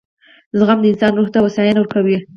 • زغم د انسان روح ته هوساینه ورکوي.